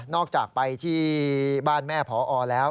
อกจากไปที่บ้านแม่พอแล้ว